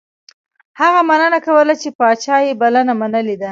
هغه مننه کوله چې پاچا یې بلنه منلې ده.